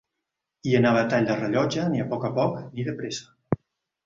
Hi anava a tall de rellotge, ni poc a poc ni depresa